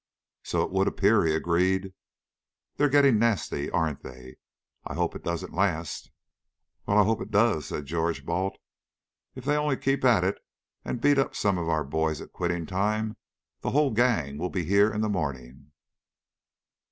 "So it would appear," he agreed. "They're getting nawsty, aren't they? I hope it doesn't lawst." "Well, I hope it does," said George Balt. "If they'll only keep at it and beat up some of our boys at quitting time the whole gang will be here in the morning."